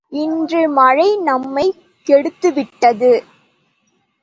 இன்று மழை நம்மைக் கெடுத்துவிட்டது.